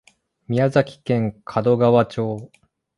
宮崎県門川町